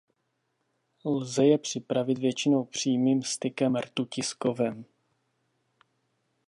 Lze je připravit většinou přímým stykem rtuti s kovem.